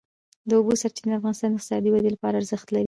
د اوبو سرچینې د افغانستان د اقتصادي ودې لپاره ارزښت لري.